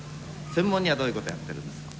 専門にはどういうことをやってるんですか。